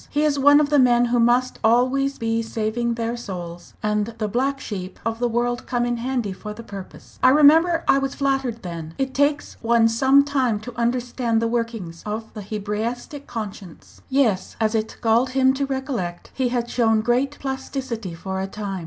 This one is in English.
He is one of the men who must always be saving their souls, and the black sheep of the world come in handy for the purpose. I remember I was flattered then. It takes one some time to understand the workings of the Hebraistic conscience!" Yes as it galled him to recollect he had shown great plasticity for a time.